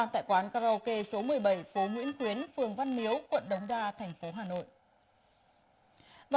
tại quán karaoke số một mươi bảy phố nguyễn tuyến phường văn miếu quận đống đa thành phố hà nội